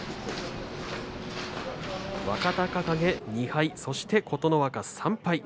若隆景、２敗そして琴ノ若、３敗。